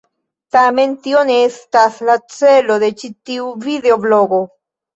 Tamen, tio ne estas la celo de ĉi tiu videoblogo.